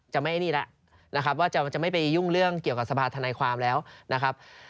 จะไม่นี่แล้วนะครับว่าจะไม่ไปยุ่งเรื่องเกี่ยวกับสภาธนายความแล้วนะครับ